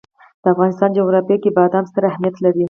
د افغانستان جغرافیه کې بادام ستر اهمیت لري.